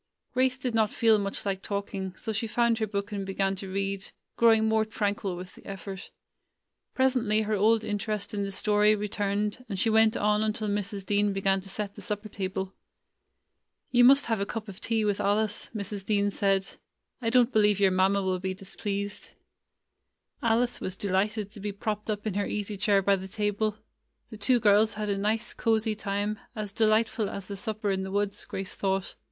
Grace did not feel much like talking, so she found her book and began to read, growing more tranquil with the effort. Presently her old interest in the story returned, and she went on until Mrs. Dean began to set the supper table. "You must have a cup of tea with Alice," Mrs. Dean said. "I don't believe your mamma will be displeased." [ 88 ] 1 f "' It is best and rignt, ' she said GRACE^S HOLIDAY Alice was delighted to be propped up in her easy chair by the table. The two girls had a nice, cosy time, as delightful as the supper in "Grace began to read" the woods, Grace thought.